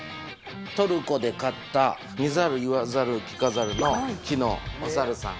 トルコで買った、見ざる言わざる聞かざるの、木のお猿さん。